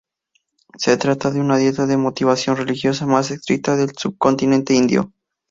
Se trata de la dieta de motivación religiosa más estricta del subcontinente indio.